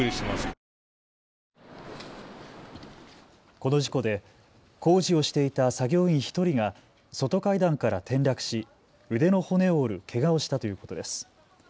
この事故で工事をしていた作業員１人が外階段から転落し腕の骨を折るけがをしたということです。